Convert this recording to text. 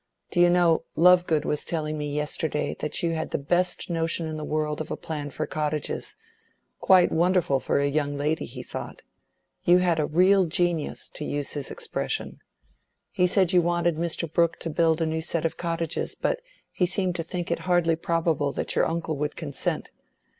Do you know, Lovegood was telling me yesterday that you had the best notion in the world of a plan for cottages—quite wonderful for a young lady, he thought. You had a real genus, to use his expression. He said you wanted Mr. Brooke to build a new set of cottages, but he seemed to think it hardly probable that your uncle would consent.